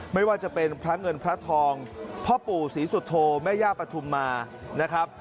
ไม่ว่าจะเป็นพระเงินพระทองพ่อปู่ศรีสุโธแม่ย่าปฐุมมานะครับ